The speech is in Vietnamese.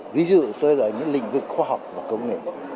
ví dụ tôi là những lĩnh vực khoa học và công nghệ